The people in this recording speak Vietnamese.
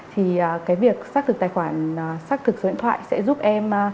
thì cái việc xác thực tài khoản xác thực số điện thoại sẽ giúp em